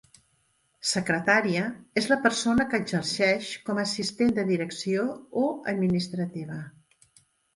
Secretària és la persona que exerceix com assistent de direcció o administrativa.